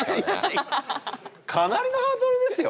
かなりのハードルですよ！